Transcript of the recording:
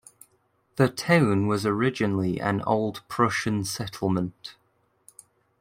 The town was originally an Old Prussian settlement.